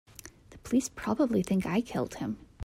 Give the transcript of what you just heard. The police probably think I killed him.